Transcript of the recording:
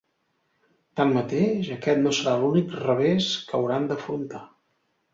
Tanmateix, aquest no serà l'únic revés que hauran d'afrontar.